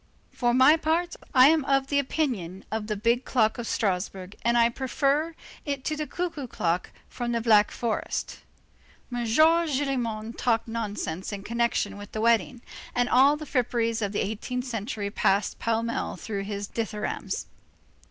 For my part, I am of the opinion of the big clock of Strasburg, and I prefer it to the cuckoo clock from the Black Forest." M. Gillenormand talked nonsense in connection with the wedding, and all the fripperies of the eighteenth century passed pell mell through his dithyrambs.